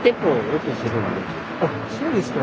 あっそうですか。